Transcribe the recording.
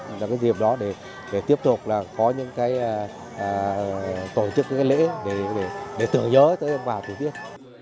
đó là cái dịp đó để tiếp tục là có những cái tổ chức cái lễ để tưởng nhớ tới ông bà tổ tiên